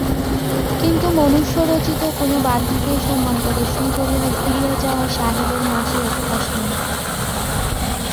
কিন্তু মনুষ্যরচিত কোনো বাধাকে সম্মান প্রদর্শন করিয়া ঘুরিয়া যাওয়া সাহেবের মাঝির অভ্যাস নাই।